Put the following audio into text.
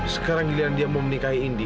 sekarang giliran dia mau menikahi indi